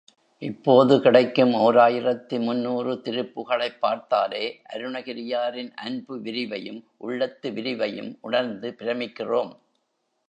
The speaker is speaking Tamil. இப்போது கிடைக்கும் ஓர் ஆயிரத்து முன்னூறு திருப்புகழைப் பார்த்தாலே அருணகிரியாரின் அன்பு விரிவையும் உள்ள விரிவையும் உணர்ந்து பிரமிக்கிறோம்.